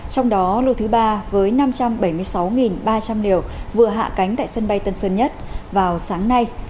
trong đó lô thứ ba với năm trăm bảy mươi sáu ba trăm linh liều vừa hạ cánh tại sân bay tân sơn nhất vào sáng nay